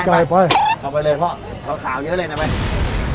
เขาก็ขี่เยอะเยอะเลยนะ